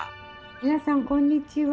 皆さんこんにちは。